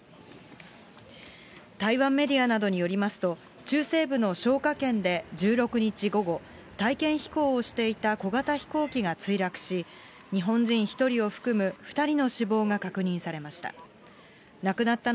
台湾メディアなどによりますと、中西部のしょうか県で１６日午後、体験飛行をしていた小型飛行機が墜落し、日本人１人を含む２人の死亡が確認されました。